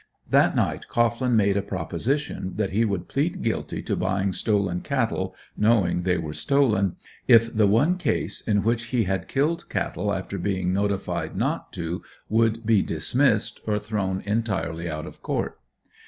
That night Cohglin made a proposition that he would plead guilty to buying stolen cattle knowing they were stolen, if the one case in which he had killed cattle after being notified not to, would be dismissed, or thrown entirely out of court.